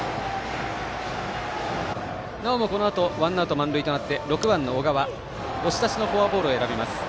なおも、このあとワンアウト満塁となって６番の小川、押し出しのフォアボールを選びます。